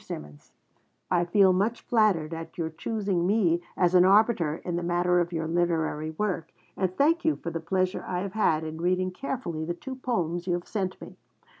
SYMONS, I feel much flattered at your choosing me as an arbiter in the matter of your literary work, and thank you for the pleasure I have had in reading carefully the two poems you have sent me.